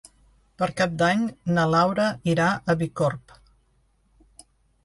Per Cap d'Any na Laura irà a Bicorb.